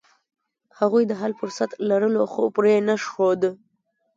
هغوی د حل فرصت لرلو، خو پرې یې نښود.